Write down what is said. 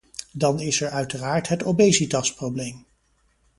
Dan is er uiteraard het obesitasprobleem.